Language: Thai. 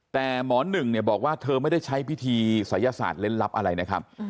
แต่หมอหนึ่งเนี่ยบอกว่าเธอไม่ได้ใช้พิธีศัยศาสตร์เล่นลับอะไรนะครับ